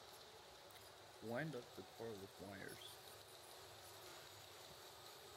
Wind up the coil of wires.